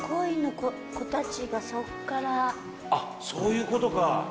あっそういうことか。